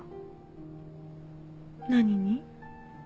何に？